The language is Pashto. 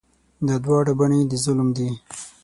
دا دواړه بڼې د ظلم دي.